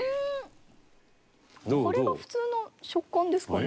これが普通の食感ですかね。